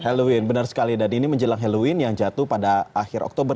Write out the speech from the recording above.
halloween benar sekali dan ini menjelang halloween yang jatuh pada akhir oktober